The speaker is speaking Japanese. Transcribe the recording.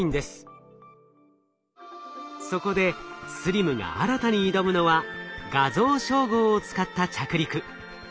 そこでＳＬＩＭが新たに挑むのは画像照合を使った着陸。